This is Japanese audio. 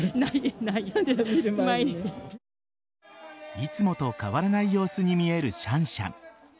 いつもと変わらない様子に見えるシャンシャン。